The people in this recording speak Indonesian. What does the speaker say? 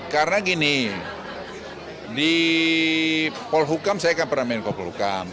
karena gini di polhukam saya kan pernah menikok pukam